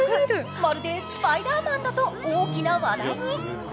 まるでスパイダーマンだと大きな話題に。